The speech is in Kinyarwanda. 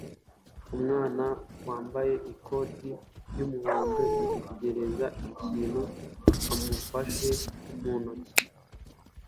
Umwana wambaye ikoti ry'umuhondo yitegereza ikintu amufashe mu ntoki